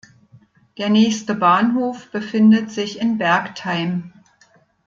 Der nächste Bahnhof befindet sich in Bergtheim.